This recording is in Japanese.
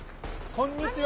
こんにちは！